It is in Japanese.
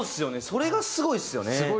それがすごいですよね。